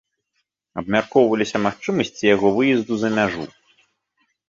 Абмяркоўваліся магчымасці яго выезду за мяжу.